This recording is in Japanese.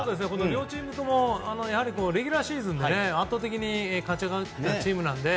両チームともレギュラーシーズンで圧倒的に勝ち上がったチームなんで。